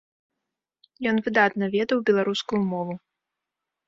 Ён выдатна ведаў беларускую мову.